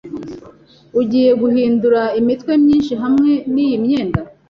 Ugiye guhindura imitwe myinshi hamwe niyi myenda.